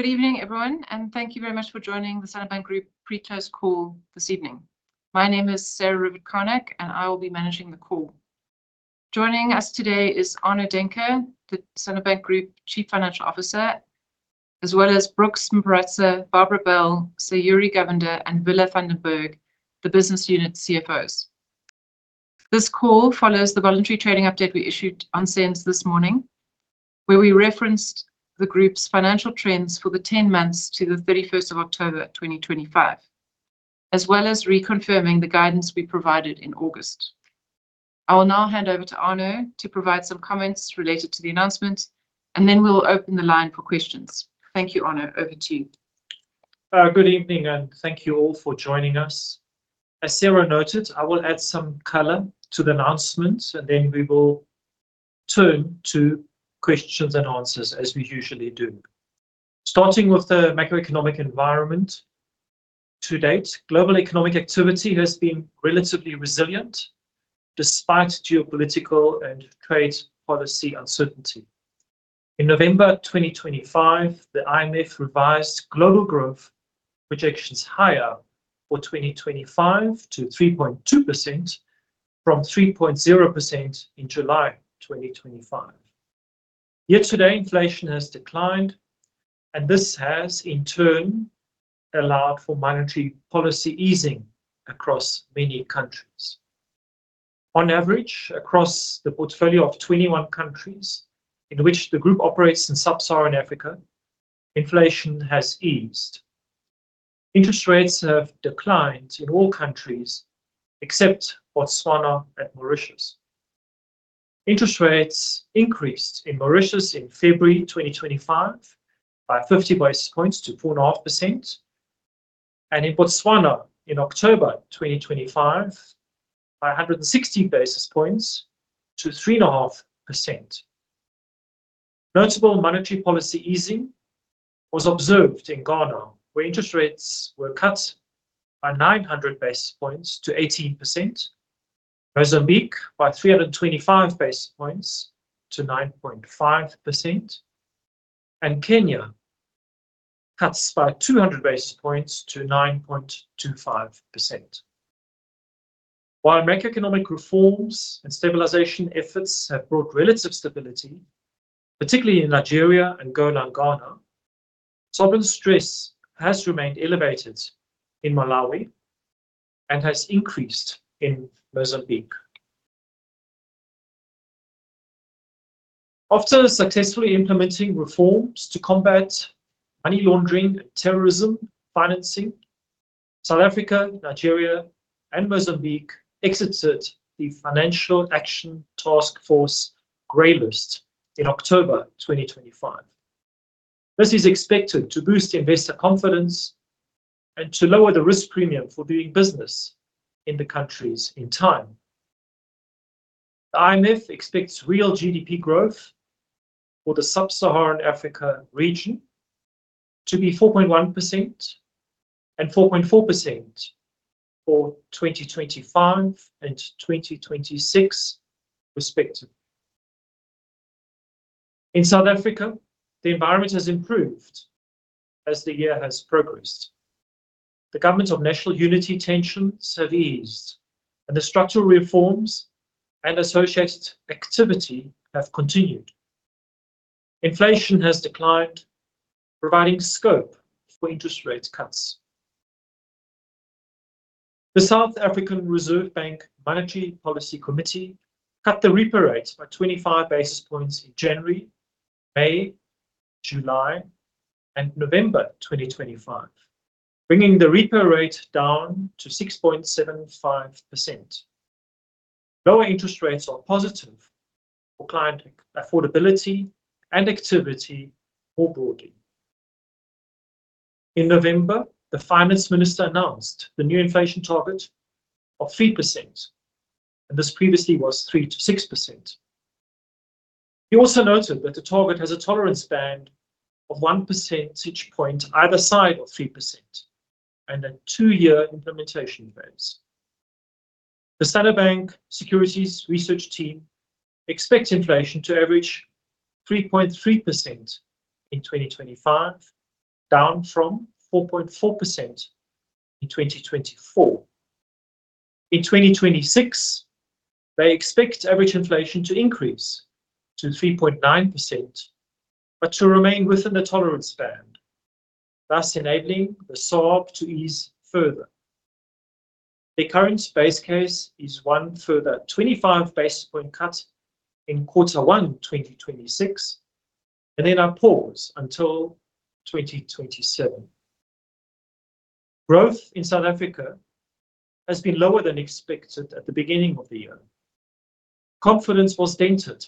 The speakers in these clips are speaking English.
Good evening, everyone, and thank you very much for joining the Standard Bank Group Pre-Test call this evening. My name is Sarah Rivett-Carnac, and I will be managing the call. Joining us today is Arno Daehnke, the Standard Bank Group Chief Financial Officer, as well as Brooks Mparutsa, Barbara Bell, Sayuri Govender, and Villafundenburg, the Business Unit CFOs. This call follows the voluntary trading update we issued on SENS this morning, where we referenced the Group's financial trends for the 10 months to the 31st of October 2025, as well as reconfirming the guidance we provided in August. I will now hand over to Arno to provide some comments related to the announcement, and then we'll open the line for questions. Thank you, Arno. Over to you. Good evening, and thank you all for joining us. As Sarah noted, I will add some colour to the announcement, and then we will turn to questions and answers as we usually do. Starting with the macroeconomic environment to date, global economic activity has been relatively resilient despite geopolitical and trade policy uncertainty. In November 2025, the IMF revised global growth projections higher for 2025 to 3.2% from 3.0% in July 2025. Yet today, inflation has declined, and this has, in turn, allowed for monetary policy easing across many countries. On average, across the portfolio of 21 countries in which the Group operates in sub-Saharan Africa, inflation has eased. Interest rates have declined in all countries except Botswana and Mauritius. Interest rates increased in Mauritius in February 2025 by 50 basis points to 4.5%, and in Botswana in October 2025 by 160 basis points to 3.5%. Notable monetary policy easing was observed in Ghana, where interest rates were cut by 900 basis points to 18%, Mozambique by 325 basis points to 9.5%, and Kenya cuts by 200 basis points to 9.25%. While macroeconomic reforms and stabilisation efforts have brought relative stability, particularly in Nigeria and Gorongora, sovereign stress has remained elevated in Malawi and has increased in Mozambique. After successfully implementing reforms to combat money laundering and terrorism financing, South Africa, Nigeria, and Mozambique exited the Financial Action Task Force Greylist in October 2025. This is expected to boost investor confidence and to lower the risk premium for doing business in the countries in time. The IMF expects real GDP growth for the sub-Saharan Africa region to be 4.1% and 4.4% for 2025 and 2026 respectively. In South Africa, the environment has improved as the year has progressed. The government of national unity tensions have eased, and the structural reforms and associated activity have continued. Inflation has declined, providing scope for interest rate cuts. The South African Reserve Bank Monetary Policy Committee cut the repo rate by 25 basis points in January, May, July, and November 2025, bringing the repo rate down to ZAR 6.75%. Lower interest rates are positive for client affordability and activity more broadly. In November, the Finance Minister announced the new inflation target of 3%, and this previously was 3%-6%. He also noted that the target has a tolerance band of 1 percentage point either side of 3% and a two-year implementation phase. The Standard Bank Securities Research Team expects inflation to average 3.3% in 2025, down from 4.4% in 2024. In 2026, they expect average inflation to increase to 3.9%, but to remain within the tolerance band, thus enabling the South African Reserve Bank to ease further. The current base case is one further 25 basis point cut in quarter one 2026, and then a pause until 2027. Growth in South Africa has been lower than expected at the beginning of the year. Confidence was dented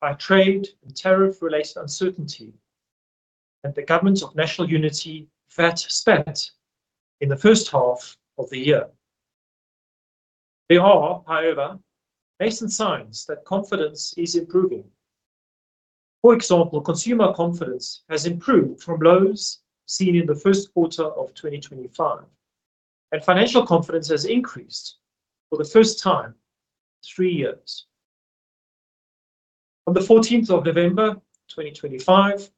by trade and tariff-related uncertainty, and the government of national unity spent in the first half of the year. There are, however, nascent signs that confidence is improving. For example, consumer confidence has improved from lows seen in the first quarter of 2025, and financial confidence has increased for the first time in three years. On the 14th of November 2025,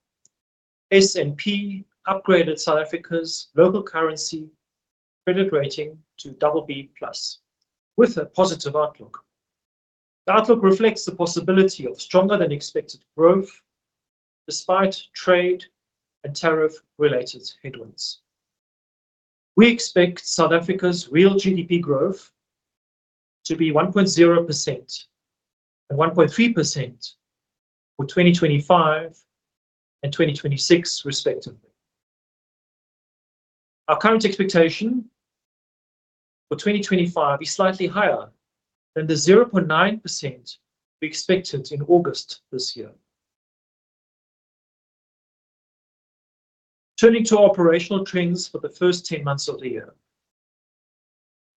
S&P Global Ratings upgraded South Africa's local currency credit rating to BB+ with a positive outlook. The outlook reflects the possibility of stronger-than-expected growth despite trade and tariff-related headwinds. We expect South Africa's real GDP growth to be 1.0% and 1.3% for 2025 and 2026, respectively. Our current expectation for 2025 is slightly higher than the 0.9% we expected in August this year. Turning to operational trends for the first 10 months of the year.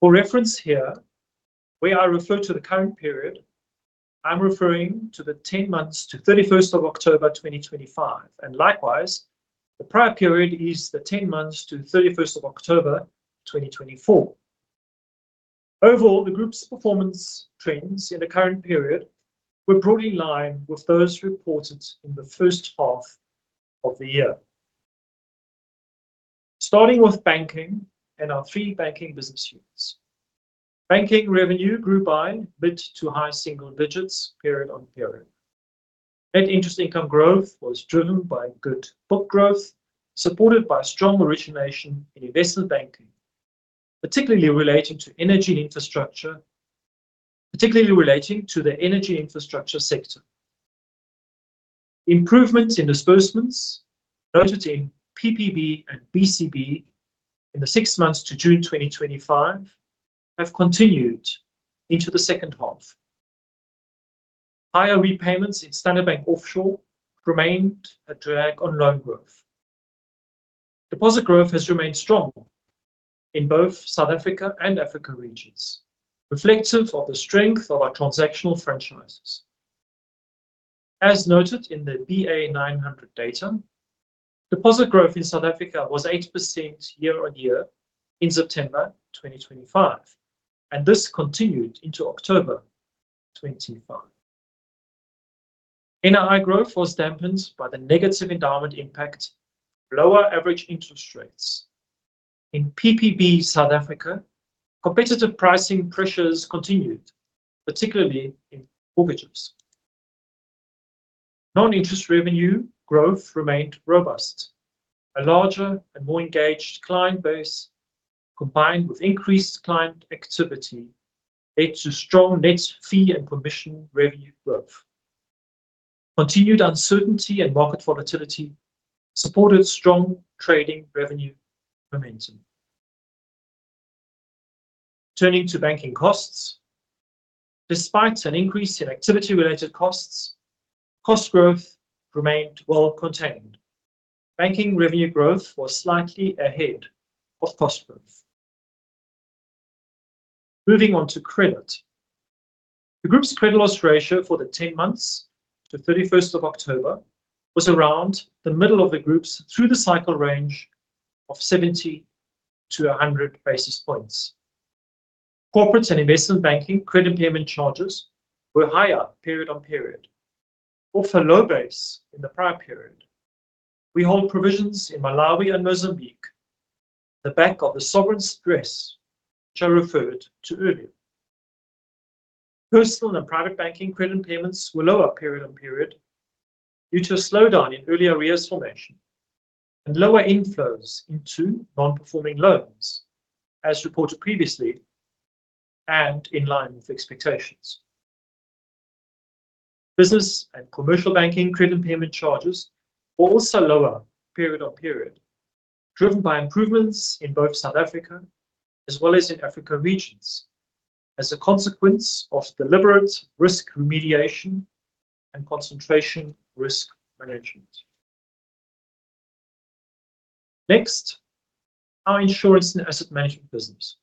For reference here, where I refer to the current period, I'm referring to the 10 months to 31st of October 2025, and likewise, the prior period is the 10 months to 31st of October 2024. Overall, the Group's performance trends in the current period were broadly in line with those reported in the first half of the year, starting with banking and our three banking business units. Banking revenue grew by mid to high single digits period on period. Net interest income growth was driven by good book growth, supported by strong origination in investment banking, particularly relating to energy and infrastructure, particularly relating to the energy infrastructure sector. Improvements in disbursements noted in PPB and BCB in the six months to June 2025 have continued into the second half. Higher repayments in Standard Bank offshore remained a drag on loan growth. Deposit growth has remained strong in both South Africa and Africa regions, reflective of the strength of our transactional franchises. As noted in the BA900 data, deposit growth in South Africa was 8% year-on-year in September 2025, and this continued into October 2025. NII growth was dampened by the negative endowment impact of lower average interest rates. In PPB South Africa, competitive pricing pressures continued, particularly in mortgages. Non-interest revenue growth remained robust. A larger and more engaged client base, combined with increased client activity, led to strong net fee and commission revenue growth. Continued uncertainty and market volatility supported strong trading revenue momentum. Turning to banking costs, despite an increase in activity-related costs, cost growth remained well contained. Banking revenue growth was slightly ahead of cost growth. Moving on to credit, the Group's credit loss ratio for the 10 months to 31st of October was around the middle of the Group's through-the-cycle range of 70-100 basis points. Corporate and investment banking credit payment charges were higher period on period, both for low base in the prior period. We hold provisions in Malawi and Mozambique at the back of the sovereign stress, which I referred to earlier. Personal and private banking credit payments were lower period on period due to a slowdown in early arrears formation and lower inflows into non-performing loans, as reported previously and in line with expectations. Business and commercial banking credit payment charges were also lower period on period, driven by improvements in both South Africa as well as in Africa regions as a consequence of deliberate risk remediation and concentration risk management. Next, our insurance and asset management business.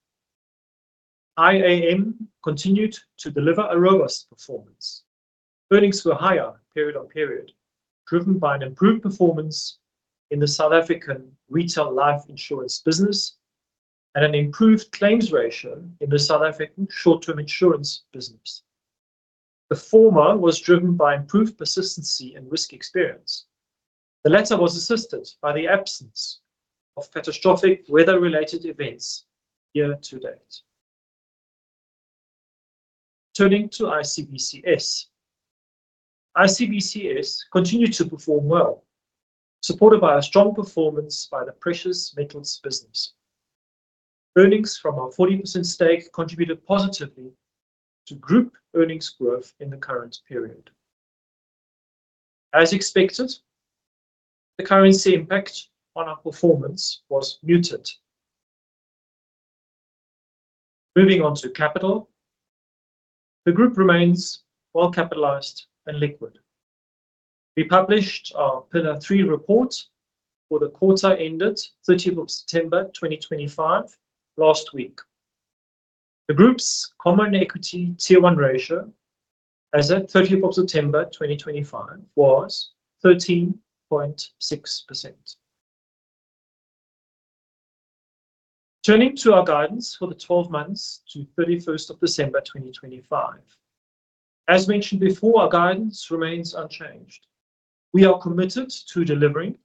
IAM continued to deliver a robust performance. Earnings were higher period on period, driven by an improved performance in the South African retail life insurance business and an improved claims ratio in the South African short-term insurance business. The former was driven by improved persistency and risk experience. The latter was assisted by the absence of catastrophic weather-related events year-to-date. Turning to ICBCS, ICBCS continued to perform well, supported by a strong performance by the precious metals business. Earnings from our 40% stake contributed positively to Group earnings growth in the current period. As expected, the currency impact on our performance was muted. Moving on to capital, the Group remains well capitalised and liquid. We published our Pillar Three report for the quarter ended 30th of September 2025 last week. The Group's common equity tier one ratio as of 30th of September 2025 was 13.6%. Turning to our guidance for the 12 months to 31st of December 2025, as mentioned before, our guidance remains unchanged. We are committed to delivering.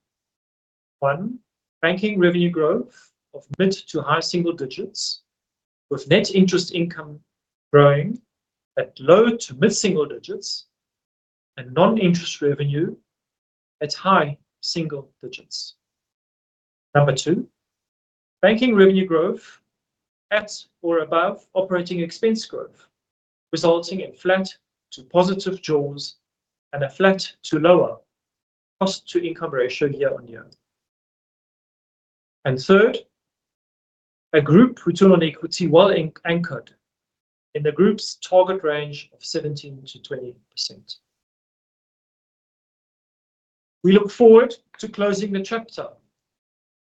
One, banking revenue growth of mid to high single digits, with net interest income growing at low to mid single digits and non-interest revenue at high single digits. Number two, banking revenue growth at or above operating expense growth, resulting in flat to positive jaws and a flat to lower cost-to-income ratio year-on-year. Third, a Group return on equity well anchored in the Group's target range of 17%-20%. We look forward to closing the chapter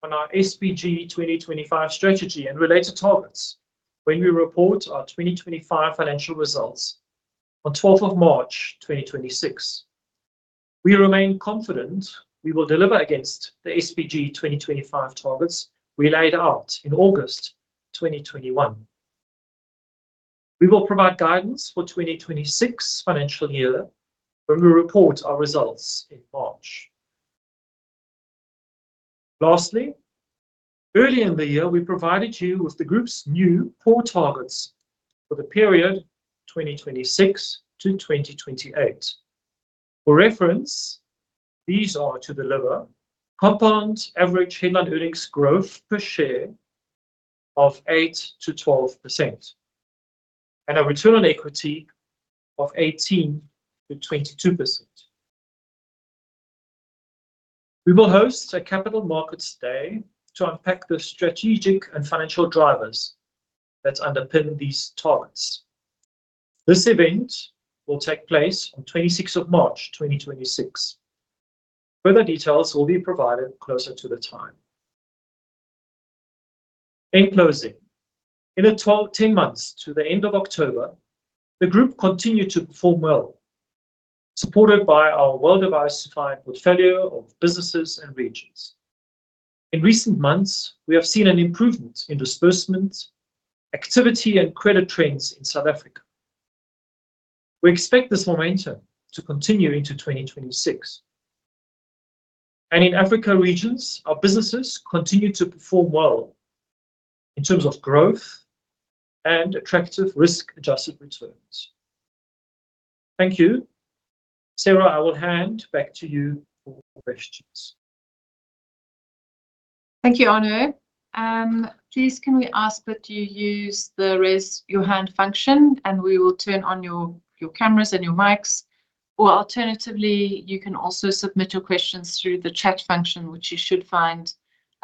on our SPG 2025 strategy and related targets when we report our 2025 financial results on 12th of March 2026. We remain confident we will deliver against the SPG 2025 targets we laid out in August 2021. We will provide guidance for 2026 financial year when we report our results in March. Lastly, early in the year, we provided you with the Group's new core targets for the period 2026 to 2028. For reference, these are to deliver compound average headline earnings growth per share of 8%-12% and a return on equity of 18%-22%. We will host a Capital Markets Day to unpack the strategic and financial drivers that underpin these targets. This event will take place on 26th of March 2026. Further details will be provided closer to the time. In closing, in the 12-10 months to the end of October, the Group continued to perform well, supported by our well-diversified portfolio of businesses and regions. In recent months, we have seen an improvement in disbursement, activity, and credit trends in South Africa. We expect this momentum to continue into 2026. In Africa regions, our businesses continue to perform well in terms of growth and attractive risk-adjusted returns. Thank you. Sarah, I will hand back to you for questions. Thank you, Arno. Please, can we ask that you use the raise your hand function, and we will turn on your cameras and your mics? Or alternatively, you can also submit your questions through the chat function, which you should find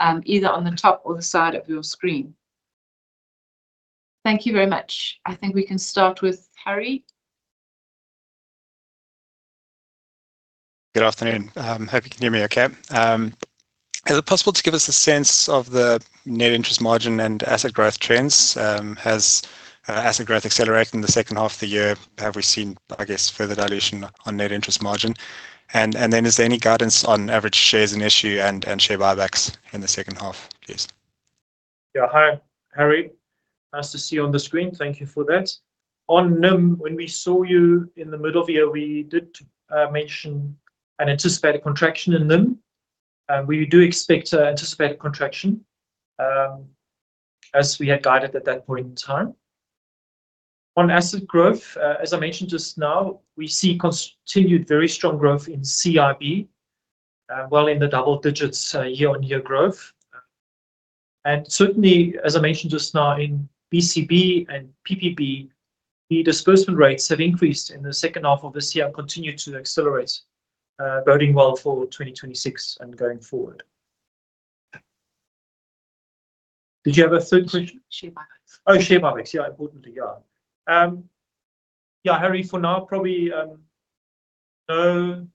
either on the top or the side of your screen. Thank you very much. I think we can start with Harry. Good afternoon. Hope you can hear me okay. Is it possible to give us a sense of the net interest margin and asset growth trends? Has asset growth accelerated in the second half of the year? Have we seen, I guess, further dilution on net interest margin? Is there any guidance on average shares in issue and share buybacks in the second half, please? Yeah, hi, Harry. Nice to see you on the screen. Thank you for that. On NIM, when we saw you in the middle of the year, we did mention an anticipated contraction in NIM. We do expect anticipated contraction, as we had guided at that point in time. On asset growth, as I mentioned just now, we see continued very strong growth in CIB, well in the double digits year-on-year growth. Certainly, as I mentioned just now, in BCB and PPB, the disbursement rates have increased in the second half of this year and continue to accelerate, voting well for 2026 and going forward. Did you have a third question? Oh, share buybacks. Oh, share buybacks, yeah, importantly, yeah. Yeah, Harry, for now, probably no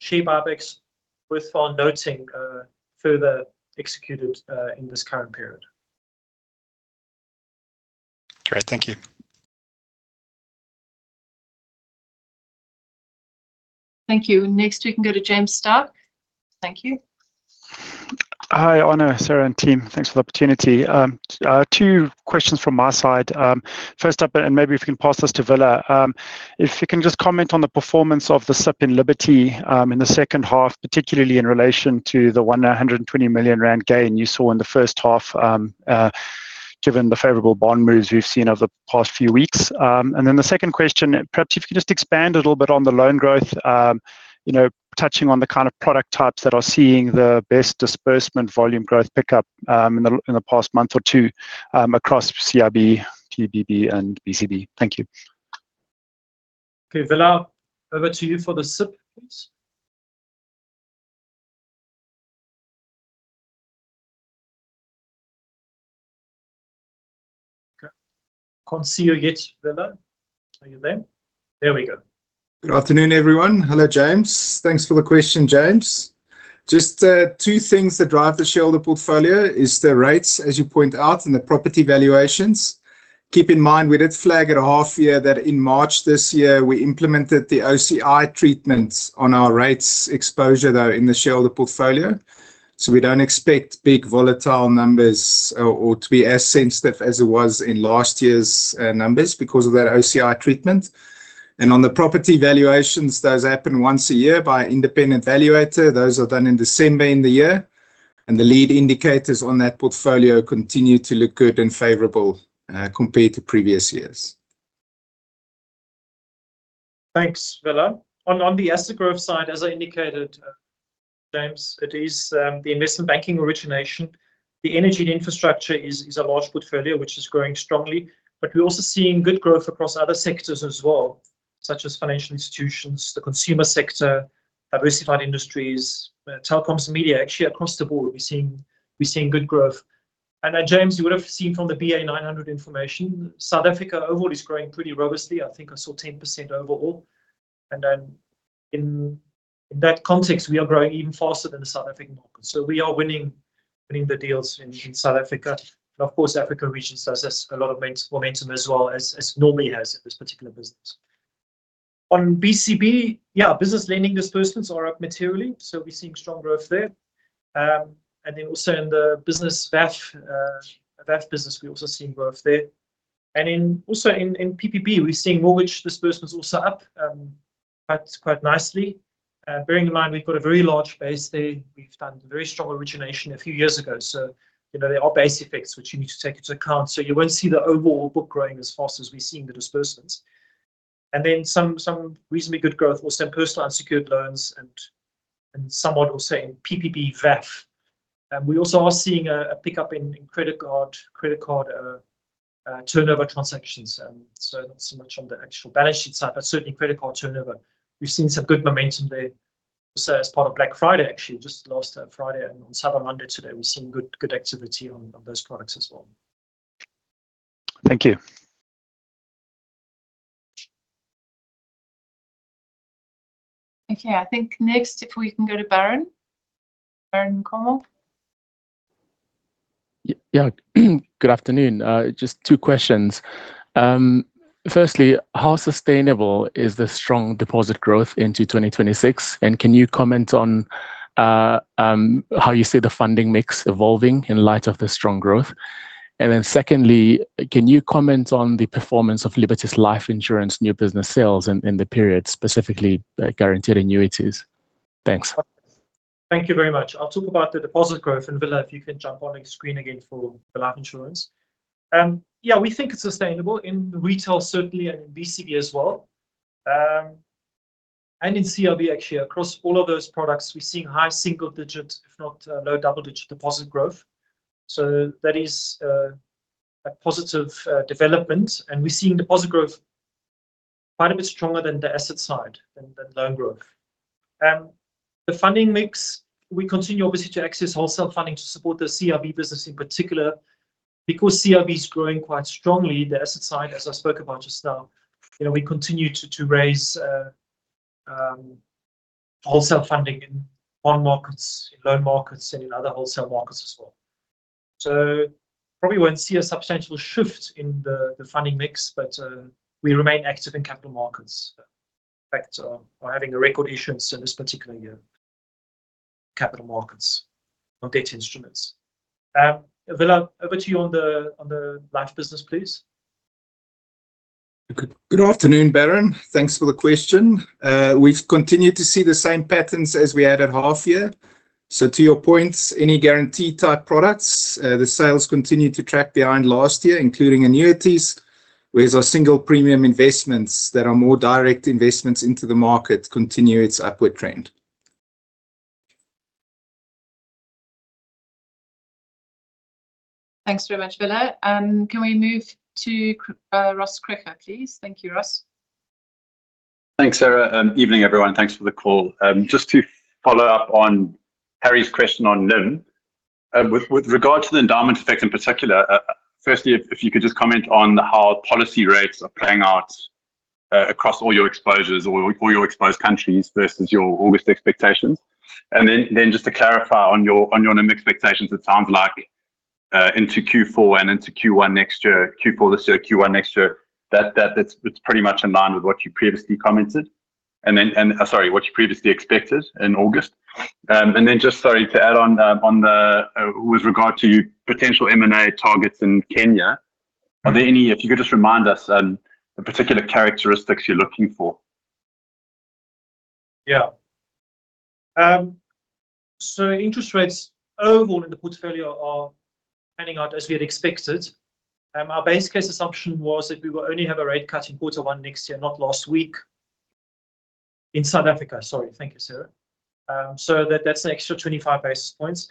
share buybacks worthwhile noting further executed in this current period. Great, thank you. Thank you. Next, we can go to James Stark. Thank you. Hi, Arno, Sarah, and team. Thanks for the opportunity. Two questions from my side. First up, and maybe if you can pass this to Villa, if you can just comment on the performance of the SIP in Liberty in the second half, particularly in relation to the 120 million rand gain you saw in the first half, given the favourable bond moves we've seen over the past few weeks. The second question, perhaps if you could just expand a little bit on the loan growth, touching on the kind of product types that are seeing the best disbursement volume growth pickup in the past month or two across CIB, PBB, and BCB. Thank you. Okay, Villa, over to you for the SIP, please. Can't see you yet, Villa. Are you there? There we go. Good afternoon, everyone. Hello, James. Thanks for the question, James. Just two things that drive the shareholder portfolio is the rates, as you point out, and the property valuations. Keep in mind we did flag at a half year that in March this year, we implemented the OCI treatment on our rates exposure, though, in the shareholder portfolio. We do not expect big volatile numbers or to be as sensitive as it was in last year's numbers because of that OCI treatment. On the property valuations, those happen once a year by an independent valuator. Those are done in December in the year. The lead indicators on that portfolio continue to look good and favourable compared to previous years. Thanks, Villa. On the asset growth side, as I indicated, James, it is the investment banking origination. The energy and infrastructure is a large portfolio, which is growing strongly. We're also seeing good growth across other sectors as well, such as financial institutions, the consumer sector, diversified industries, telecoms and media, actually across the board. We're seeing good growth. James, you would have seen from the BA900 information, South Africa overall is growing pretty robustly. I think I saw 10% overall. In that context, we are growing even faster than the South African market. We are winning the deals in South Africa. Of course, the African region has a lot of momentum as well, as it normally has in this particular business. On BCB, business lending disbursements are up materially. We're seeing strong growth there. Also, in the business VAF business, we're seeing growth there. Also, in PPB, we're seeing mortgage disbursements also up quite nicely. Bearing in mind we've got a very large base there, we've done very strong origination a few years ago. There are base effects which you need to take into account. You will not see the overall book growing as fast as we are seeing the disbursements. Some reasonably good growth was in personal unsecured loans and somewhat also in PPB VAF. We also are seeing a pickup in credit card turnover transactions. Not so much on the actual balance sheet side, but certainly credit card turnover. We have seen some good momentum there. As part of Black Friday, actually, just last Friday and on Cyber Monday today, we have seen good activity on those products as well. Thank you. Okay, I think next if we can go to Baron. Baron Comal. Yeah, good afternoon. Just two questions. Firstly, how sustainable is the strong deposit growth into 2026? Can you comment on how you see the funding mix evolving in light of the strong growth? Secondly, can you comment on the performance of Liberty's life insurance new business sales in the period, specifically guaranteed annuities? Thanks. Thank you very much. I'll talk about the deposit growth. And Villa, if you can jump on the screen again for the life insurance. Yeah, we think it's sustainable in retail certainly and in BCB as well. In CIB, actually, across all of those products, we're seeing high single digit, if not low double digit deposit growth. That is a positive development. We're seeing deposit growth quite a bit stronger than the asset side, than loan growth. The funding mix, we continue obviously to access wholesale funding to support the CIB business in particular. Because CIB is growing quite strongly, the asset side, as I spoke about just now, we continue to raise wholesale funding in bond markets, in loan markets, and in other wholesale markets as well. You probably will not see a substantial shift in the funding mix, but we remain active in capital markets. In fact, we are having a record issuance in this particular year, capital markets on data instruments. Villa, over to you on the life business, please. Good afternoon, Baron. Thanks for the question. We have continued to see the same patterns as we had at half year. To your points, any guarantee-type products, the sales continue to track behind last year, including annuities, whereas our single premium investments that are more direct investments into the market continue its upward trend. Thanks very much, Villa. Can we move to Ross Crooker, please? Thank you, Ross. Thanks, Sarah. Evening, everyone. Thanks for the call. Just to follow up on Harry's question on NIM, with regard to the endowment effect in particular, firstly, if you could just comment on how policy rates are playing out across all your exposures or all your exposed countries versus your August expectations. If you could just clarify on your NIM expectations, it sounds like into Q4 and into Q1 next year, Q4 this year, Q1 next year, that it's pretty much in line with what you previously commented. What you previously expected in August. Just to add on with regard to potential M&A targets in Kenya, are there any, if you could just remind us, the particular characteristics you're looking for? Yeah. Interest rates overall in the portfolio are handing out as we had expected. Our base case assumption was that we will only have a rate cut in quarter one next year, not last week in South Africa. Sorry, thank you, Sarah. That is an extra 25 basis points.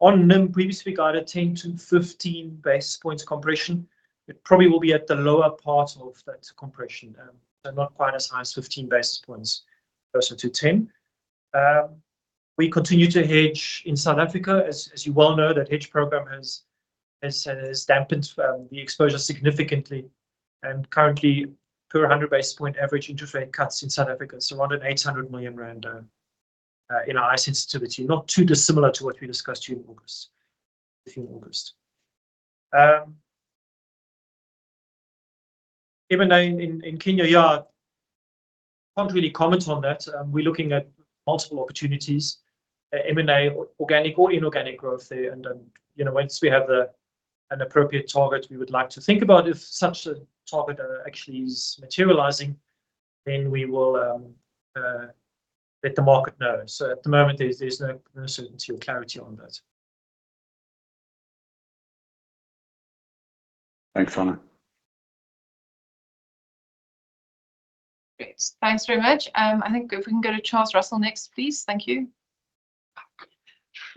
On NIM, previously we guided 10-15 basis points compression. It probably will be at the lower part of that compression, so not quite as high as 15 basis points versus 10. We continue to hedge in South Africa. As you well know, that hedge program has dampened the exposure significantly. Currently, per 100 basis point average interest rate cuts in South Africa is around 800 million rand in our eyes sensitivity, not too dissimilar to what we discussed in August. Even though in Kenya, yeah, cannot really comment on that. We are looking at multiple opportunities, M&A, organic or inorganic growth there. Once we have an appropriate target, we would like to think about if such a target actually is materializing, then we will let the market know. At the moment, there is no certainty or clarity on that. Thanks, Arno. Great. Thanks very much. I think if we can go to Charles Russell next, please. Thank you.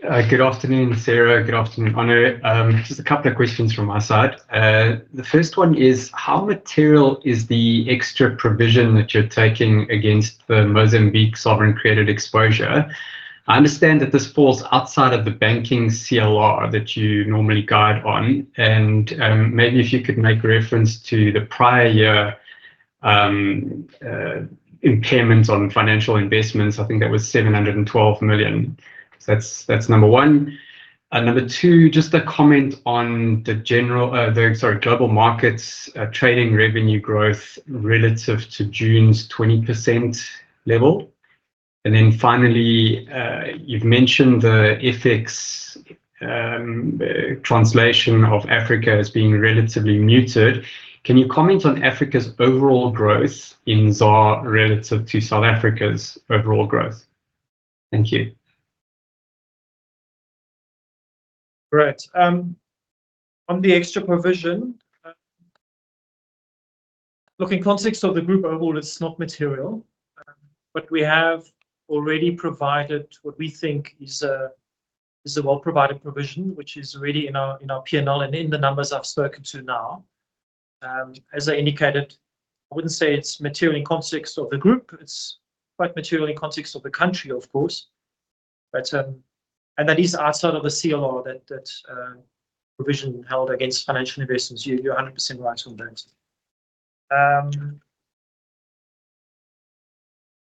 Good afternoon, Sarah. Good afternoon, Arno. Just a couple of questions from my side. The first one is, how material is the extra provision that you are taking against the Mozambique sovereign-created exposure? I understand that this falls outside of the banking credit loss ratio that you normally guide on. Maybe if you could make reference to the prior year impairments on financial investments, I think that was 712 million. That is number one. Number two, just a comment on the general, sorry, global markets trading revenue growth relative to June's 20% level. You mentioned the FX translation of Africa as being relatively muted. Can you comment on Africa's overall growth in ZAR relative to South Africa's overall growth? Thank you. Right. On the extra provision, looking in the context of the group overall, it's not material. We have already provided what we think is a well-provided provision, which is ready in our P&L and in the numbers I've spoken to now. As I indicated, I wouldn't say it's material in the context of the group. It's quite material in the context of the country, of course. That is outside of the CLR, that provision held against financial investments. You're 100% right on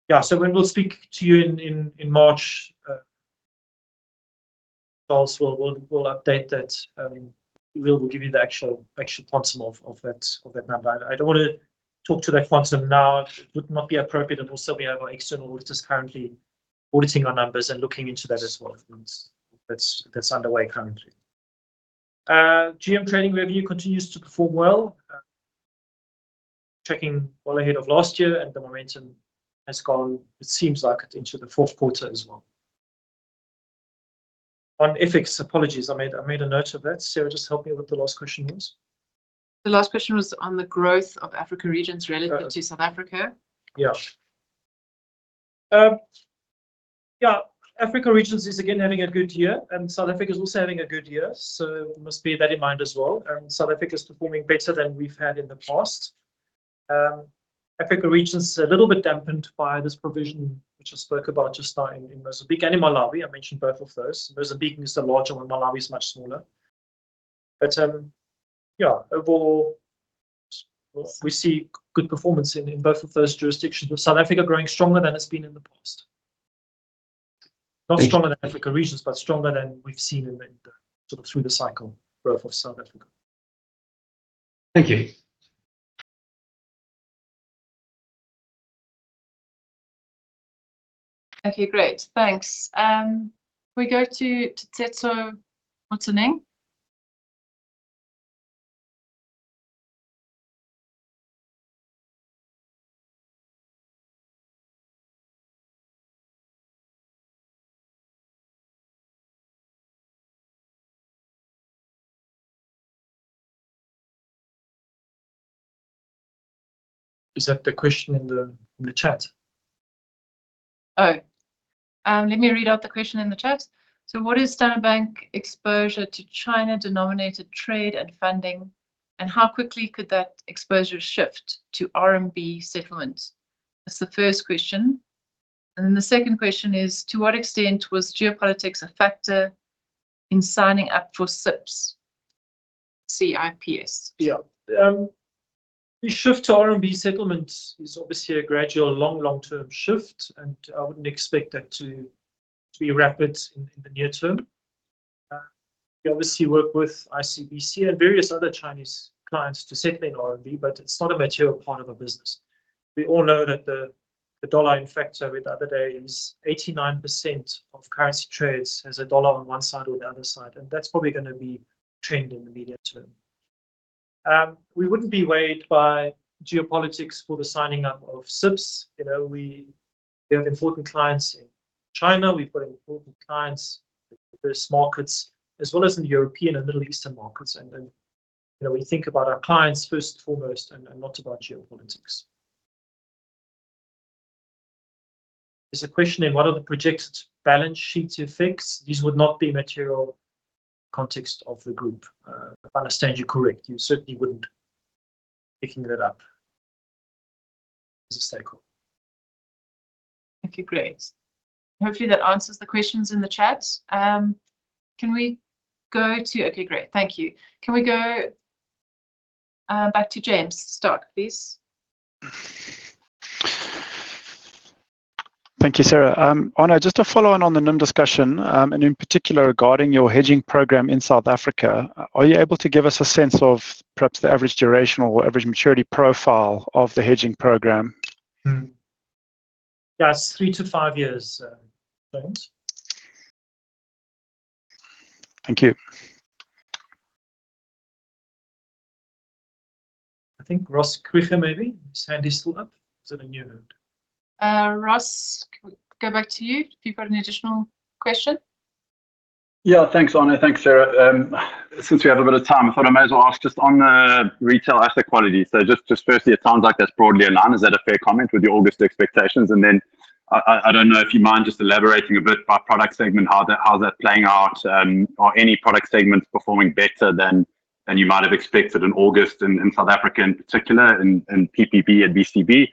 that. When we speak to you in March, Charles will update that. We will give you the actual quantum of that number. I don't want to talk to that quantum now. It would not be appropriate. We have our external auditors currently auditing our numbers and looking into that as well. That is underway currently. GM Trading Review continues to perform well. Checking well ahead of last year, and the momentum has gone, it seems like, into the fourth quarter as well. On FX, apologies. I made a note of that. Sarah, just help me with the last question was. The last question was on the growth of African regions relative to South Africa. Yeah. Yeah, Africa regions is again having a good year. And South Africa is also having a good year. Must keep that in mind as well. South Africa is performing better than we have had in the past. Africa regions are a little bit dampened by this provision, which I spoke about just now in Mozambique and in Malawi. I mentioned both of those. Mozambique is the larger one. Malawi is much smaller. Yeah, overall, we see good performance in both of those jurisdictions. South Africa is growing stronger than it has been in the past. Not stronger than African regions, but stronger than we have seen through the cycle growth of South Africa. Thank you. Okay, great. Thanks. We go to Teto Mataneng. Is that the question in the chat? Let me read out the question in the chat. What is Standard Bank exposure to China-denominated trade and funding? How quickly could that exposure shift to RMB settlements? That is the first question. The second question is, to what extent was geopolitics a factor in signing up for CIPS? The shift to RMB settlements is obviously a gradual long-term shift. I would not expect that to be rapid in the near term. We obviously work with ICBC and various other Chinese clients to settle in RMB, but it's not a material part of our business. We all know that the dollar, in fact, with the other day is 89% of currency trades has a dollar on one side or the other side. That's probably going to be trending in the medium term. We wouldn't be weighed by geopolitics for the signing up of CIPS. We have important clients in China. We've got important clients in various markets, as well as in the European and Middle Eastern markets. We think about our clients first and foremost and not about geopolitics. There's a question in what are the projected balance sheet effects. These would not be material in the context of the group. If I understand you correct, you certainly wouldn't be picking that up as a stakeholder. Okay, great. Hopefully, that answers the questions in the chat. Can we go to okay, great. Thank you. Can we go back to James Stark, please? Thank you, Sarah. Arno, just to follow on the NIM discussion, and in particular regarding your hedging program in South Africa, are you able to give us a sense of perhaps the average duration or average maturity profile of the hedging program? Yes, three to five years, James. Thank you. I think Ross Krige maybe. His hand is still up. Is it a new hand? Ross, go back to you. If you've got an additional question. Yeah, thanks, Arno. Thanks, Sarah. Since we have a bit of time, I thought I might as well ask just on retail asset quality. So just firstly, it sounds like that's broadly a nine. Is that a fair comment with your August expectations? I do not know if you mind just elaborating a bit by product segment, how is that playing out, or any product segments performing better than you might have expected in August in South Africa in particular, in PPB and BCB?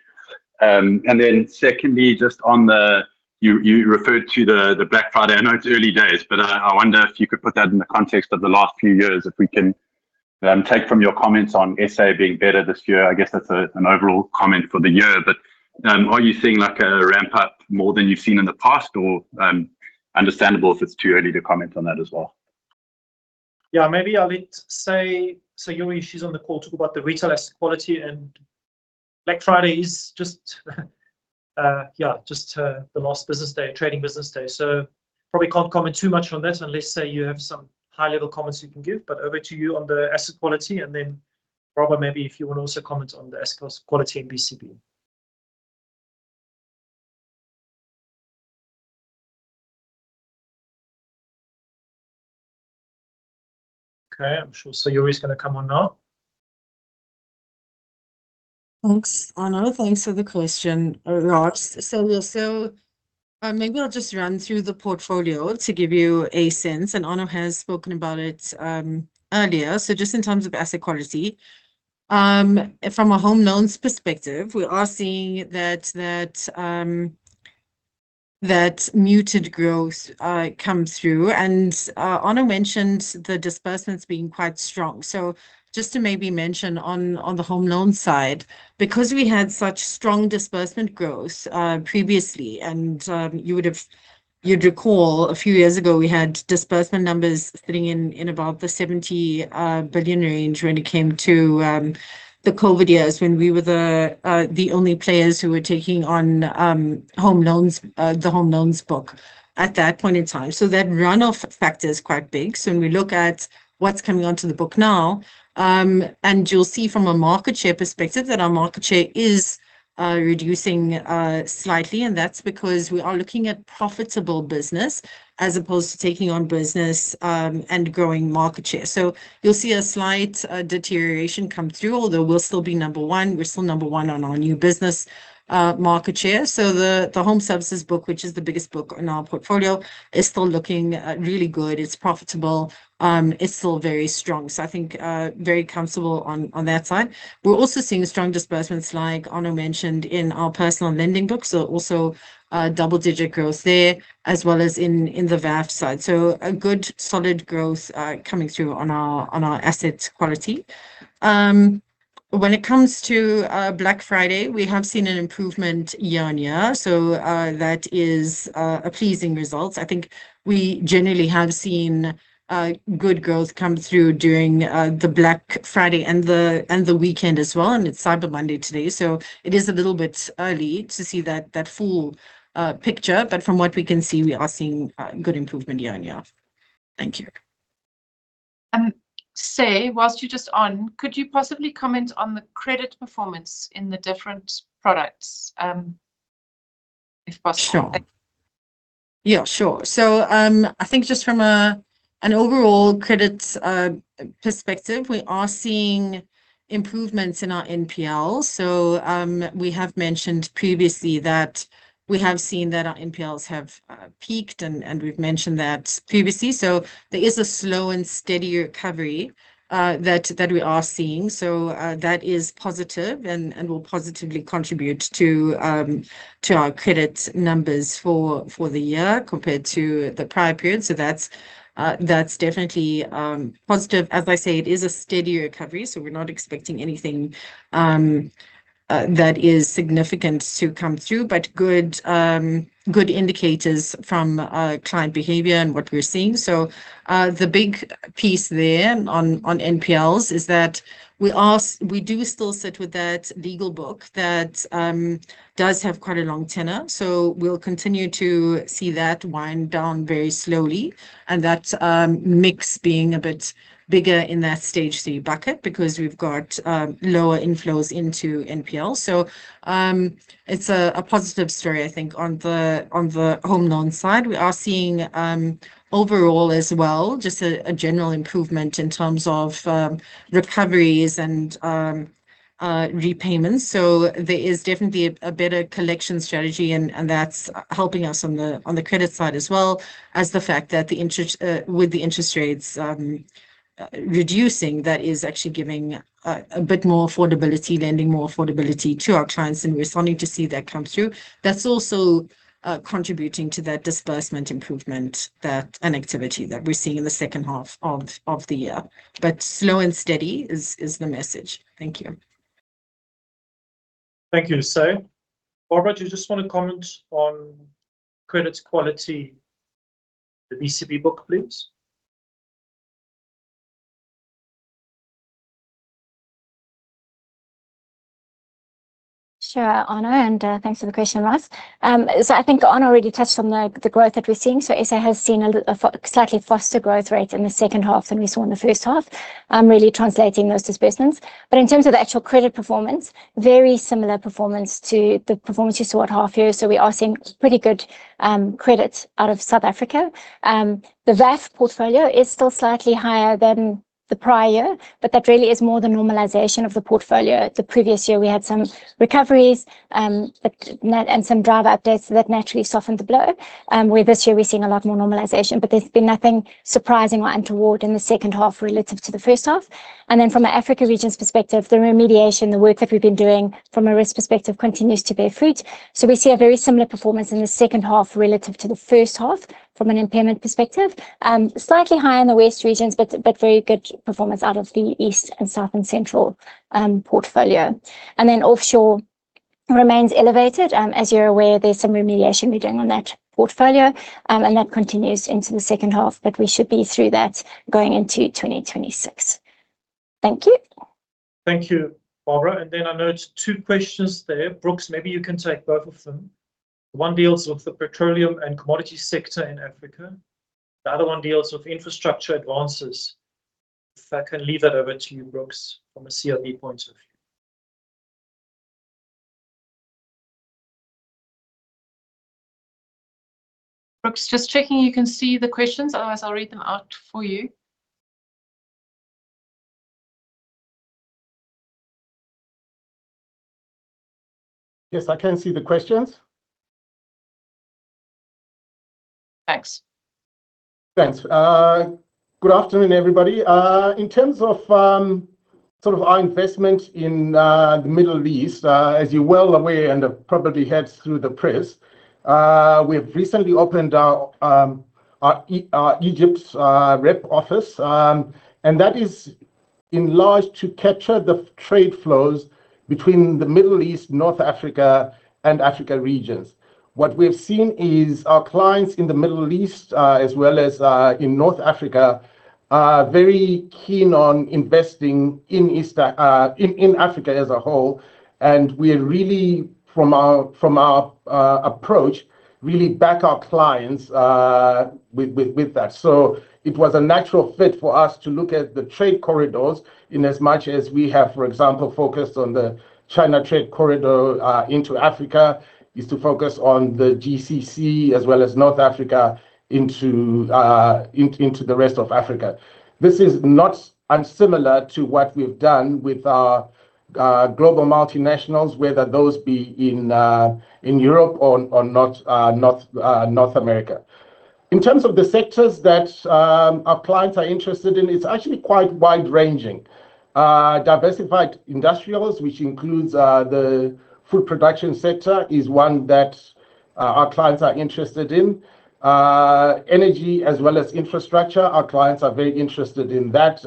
Secondly, just on the you referred to the Black Friday. I know it is early days, but I wonder if you could put that in the context of the last few years, if we can take from your comments on SA being better this year. I guess that is an overall comment for the year. Are you seeing a ramp-up more than you have seen in the past, or understandable if it is too early to comment on that as well? Yeah, maybe I'll say, so Yuri, she's on the call, talked about the retail asset quality, and Black Friday is just, yeah, just the last business day, trading business day. Probably can't comment too much on that unless, say, you have some high-level comments you can give. Over to you on the asset quality, and then Robert, maybe if you want to also comment on the asset quality in BCB. Okay, sure. Yuri's going to come on now. Thanks, Arno. Thanks for the question, Ross. Maybe I'll just run through the portfolio to give you a sense. Arno has spoken about it earlier. Just in terms of asset quality, from a home loans perspective, we are seeing that muted growth comes through. Arno mentioned the disbursements being quite strong. Just to maybe mention on the home loan side, because we had such strong disbursement growth previously, and you would recall a few years ago, we had disbursement numbers sitting in about the 70 billion range when it came to the COVID years when we were the only players who were taking on the home loans book at that point in time. That runoff factor is quite big. When we look at what's coming onto the book now, and you'll see from a market share perspective that our market share is reducing slightly, and that's because we are looking at profitable business as opposed to taking on business and growing market share. You'll see a slight deterioration come through, although we'll still be number one. We're still number one on our new business market share. The home services book, which is the biggest book in our portfolio, is still looking really good. It's profitable. It's still very strong. I think very comfortable on that side. We're also seeing strong disbursements like Arno mentioned in our personal lending book. Also double-digit growth there, as well as in the VAF side. A good solid growth coming through on our asset quality. When it comes to Black Friday, we have seen an improvement year-on-year. That is a pleasing result. I think we generally have seen good growth come through during the Black Friday and the weekend as well. It is Cyber Monday today. It is a little bit early to see that full picture. From what we can see, we are seeing good improvement year on year. Thank you. Say, whilst you're just on, could you possibly comment on the credit performance in the different products if possible? Sure. Yeah, sure. I think just from an overall credit perspective, we are seeing improvements in our NPLs. We have mentioned previously that we have seen that our NPLs have peaked, and we've mentioned that previously. There is a slow and steady recovery that we are seeing. That is positive and will positively contribute to our credit numbers for the year compared to the prior period. That is definitely positive. As I say, it is a steady recovery. We're not expecting anything that is significant to come through, but good indicators from client behaviour and what we're seeing. The big piece there on NPLs is that we do still sit with that legal book that does have quite a long tenor. We'll continue to see that wind down very slowly and that mix being a bit bigger in that stage three bucket because we've got lower inflows into NPLs. It's a positive story, I think, on the home loan side. We are seeing overall as well, just a general improvement in terms of recoveries and repayments. There is definitely a better collection strategy, and that's helping us on the credit side as well, as the fact that with the interest rates reducing, that is actually giving a bit more affordability, lending more affordability to our clients, and we're starting to see that come through. That's also contributing to that disbursement improvement and activity that we're seeing in the second half of the year. Slow and steady is the message. Thank you. Thank you sayuri. Barbara, you just want to comment on credit quality, the BCB book, please? Sure, Arno, and thanks for the question, Ross. I think Arno already touched on the growth that we're seeing. SA has seen a slightly faster growth rate in the second half than we saw in the first half, really translating those disbursements. In terms of the actual credit performance, very similar performance to the performance you saw at half year. We are seeing pretty good credit out of South Africa. The VAF portfolio is still slightly higher than the prior year, but that really is more the normalisation of the portfolio. The previous year, we had some recoveries and some driver updates that naturally softened the blow, where this year we're seeing a lot more normalisation. There has been nothing surprising or untoward in the second half relative to the first half. From an Africa regions perspective, the remediation, the work that we have been doing from a risk perspective continues to bear fruit. We see a very similar performance in the second half relative to the first half from an impairment perspective. Slightly higher in the West regions, but very good performance out of the East and South and Central portfolio. Offshore remains elevated. As you are aware, there is some remediation we are doing on that portfolio, and that continues into the second half, but we should be through that going into 2026. Thank you. Thank you, Barbara. I know it is two questions there. Brooks, maybe you can take both of them. One deals with the petroleum and commodity sector in Africa. The other one deals with infrastructure advances. If I can leave that over to you, Brooks, from a CRB point of view. Brooks, just checking you can see the questions. Otherwise, I'll read them out for you. Yes, I can see the questions. Thanks. Good afternoon, everybody. In terms of sort of our investment in the Middle East, as you're well aware and have probably heard through the press, we've recently opened our Egypt rep office, and that is enlarged to capture the trade flows between the Middle East, North Africa, and Africa regions. What we've seen is our clients in the Middle East, as well as in North Africa, are very keen on investing in Africa as a whole. We're really, from our approach, really back our clients with that. It was a natural fit for us to look at the trade corridors in as much as we have, for example, focused on the China trade corridor into Africa, to focus on the GCC, as well as North Africa into the rest of Africa. This is not unsimilar to what we've done with our global multinationals, whether those be in Europe or North America. In terms of the sectors that our clients are interested in, it's actually quite wide-ranging. Diversified industrials, which includes the food production sector, is one that our clients are interested in. Energy, as well as infrastructure, our clients are very interested in that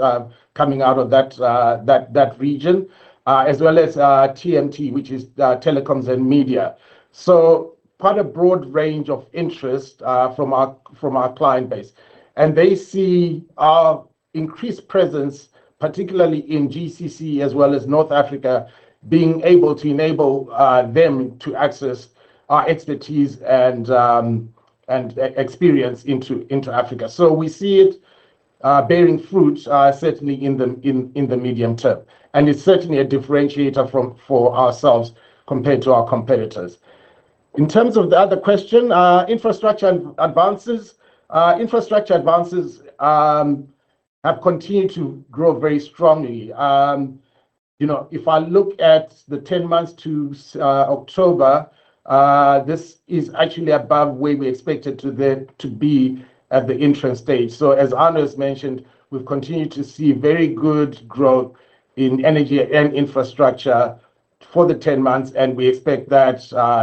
coming out of that region, as well as TMT, which is telecoms and media. Quite a broad range of interest from our client base. They see our increased presence, particularly in GCC, as well as North Africa, being able to enable them to access our expertise and experience into Africa. We see it bearing fruit, certainly in the medium term. It is certainly a differentiator for ourselves compared to our competitors. In terms of the other question, infrastructure advances, infrastructure advances have continued to grow very strongly. If I look at the 10 months to October, this is actually above where we expected to be at the entrance stage. As Arno has mentioned, we have continued to see very good growth in energy and infrastructure for the 10 months, and we expect that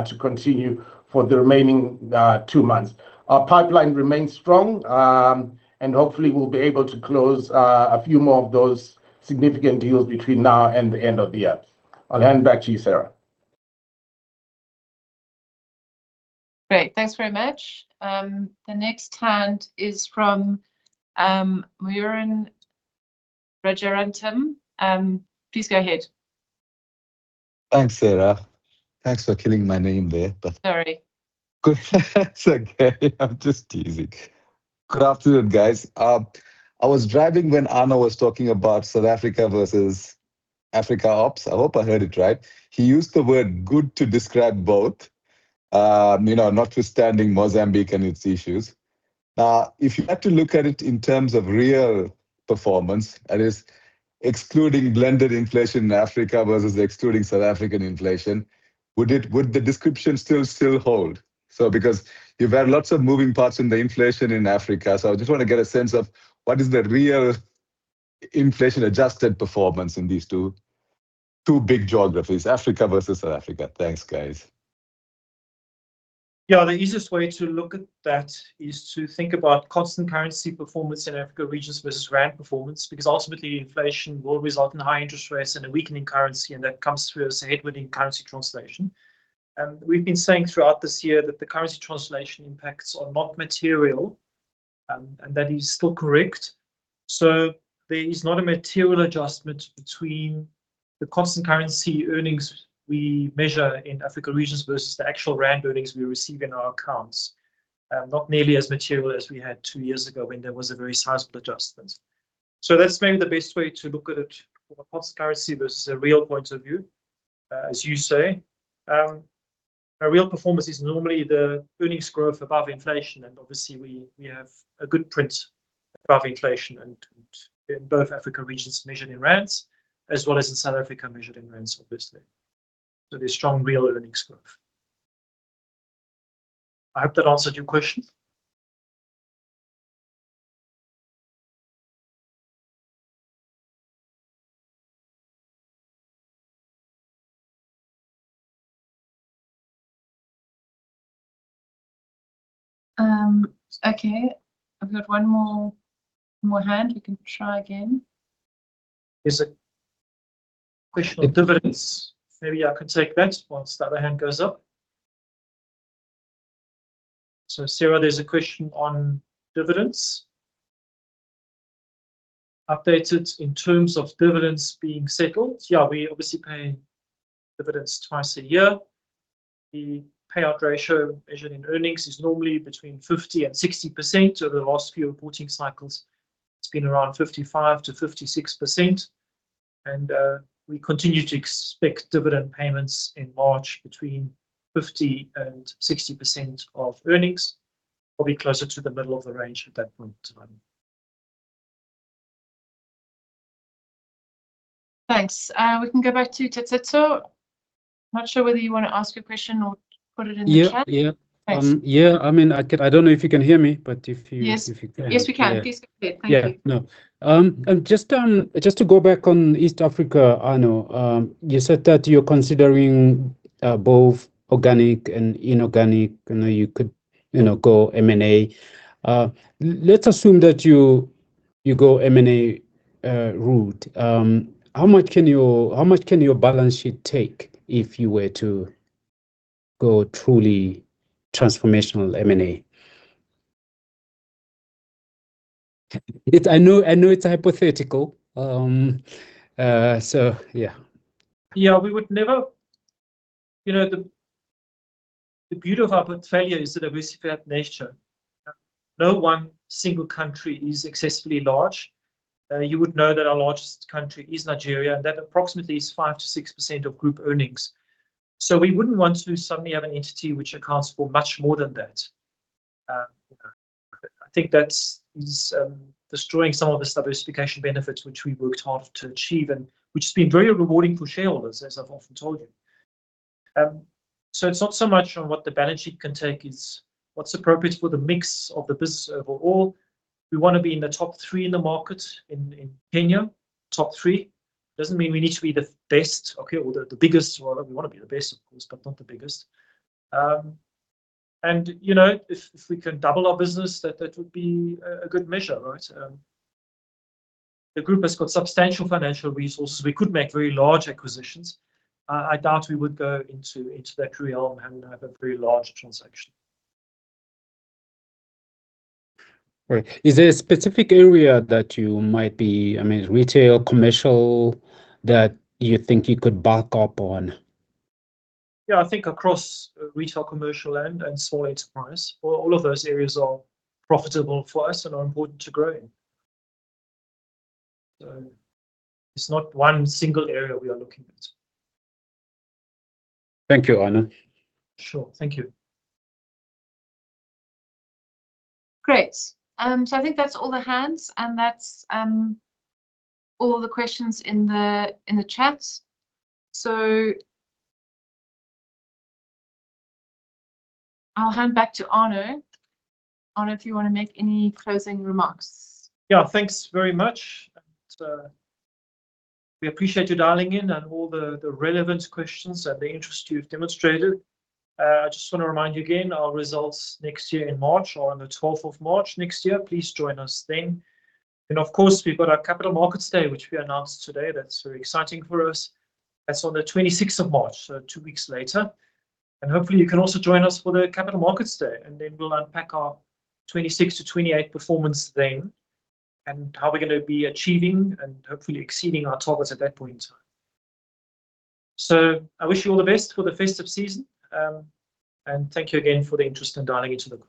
to continue for the remaining two months. Our pipeline remains strong, and hopefully, we will be able to close a few more of those significant deals between now and the end of the year. I will hand back to you, Sarah. Great. Thanks very much. The next hand is from Muyurin Rajarantham. Please go ahead. Thanks, Sarah. Thanks for killing my name there, but. Sorry. It's okay. I'm just teasing. Good afternoon, guys. I was driving when Arno was talking about South Africa versus Africa Ops. I hope I heard it right. He used the word good to describe both, notwithstanding Mozambique and its issues. Now, if you had to look at it in terms of real performance, that is, excluding blended inflation in Africa versus excluding South African inflation, would the description still hold? Because you've had lots of moving parts in the inflation in Africa, I just want to get a sense of what is the real inflation-adjusted performance in these two big geographies, Africa versus South Africa. Thanks, guys. Yeah, the easiest way to look at that is to think about constant currency performance in Africa regions versus rand performance, because ultimately, inflation will result in high interest rates and a weakening currency, and that comes through as a headwind in currency translation. We've been saying throughout this year that the currency translation impacts are not material, and that is still correct. There is not a material adjustment between the constant currency earnings we measure in Africa regions versus the actual rand earnings we receive in our accounts, not nearly as material as we had two years ago when there was a very sizable adjustment. That's maybe the best way to look at it from a constant currency versus a real point of view, as you say. Real performance is normally the earnings growth above inflation, and obviously, we have a good print above inflation in both Africa regions measured in rand, as well as in South Africa measured in rand, obviously. There is strong real earnings growth. I hope that answered your question. Okay. I have got one more hand. We can try again. There is a question on dividends. Maybe I could take that once the other hand goes up. Sarah, there is a question on dividends. Updated in terms of dividends being settled? We obviously pay dividends twice a year. The payout ratio measured in earnings is normally between 50% and 60%. Over the last few reporting cycles, it has been around 55%-56%. We continue to expect dividend payments in March between 50%-60% of earnings, probably closer to the middle of the range at that point in time. Thanks. We can go back to Tetseto. Not sure whether you want to ask a question or put it in the chat. Yeah. I mean, I don't know if you can hear me, but if you can. Yes, we can. Please go ahead. Thank you. Yeah, no. Just to go back on East Africa, Arno, you said that you're considering both organic and inorganic, and you could go M&A. Let's assume that you go M&A route. How much can your balance sheet take if you were to go truly transformational M&A? I know it's hypothetical. Yeah. We would never. The beauty of our portfolio is the diversified nature. No one single country is excessively large. You would know that our largest country is Nigeria, and that approximately is 5%-6% of group earnings. We would not want to suddenly have an entity which accounts for much more than that. I think that is destroying some of the diversification benefits, which we worked hard to achieve, and which has been very rewarding for shareholders, as I have often told you. It is not so much on what the balance sheet can take, it is what is appropriate for the mix of the business overall. We want to be in the top three in the market in Kenya, top three. It does not mean we need to be the best or the biggest. We want to be the best, of course, but not the biggest. If we can double our business, that would be a good measure, right? The group has substantial financial resources. We could make very large acquisitions. I doubt we would go into that realm and have a very large transaction. Right. Is there a specific area that you might be, I mean, retail, commercial, that you think you could back up on? Yeah, I think across retail, commercial, and small enterprise, all of those areas are profitable for us and are important to grow in. So it's not one single area we are looking at. Thank you, Arno. Sure. Thank you. Great. I think that's all the hands, and that's all the questions in the chat. I'll hand back to Arno. Arno, if you want to make any closing remarks. Yeah, thanks very much. We appreciate you dialing in and all the relevant questions and the interest you've demonstrated. I just want to remind you again, our results next year in March or on the 12th of March next year. Please join us then. Of course, we've got our Capital Markets Day, which we announced today. That's very exciting for us. That is on the 26th of March, so two weeks later. Hopefully, you can also join us for the Capital Markets Day, and then we will unpack our 2026 to 2028 performance then and how we are going to be achieving and hopefully exceeding our targets at that point in time. I wish you all the best for the festive season, and thank you again for the interest in dialing into the call.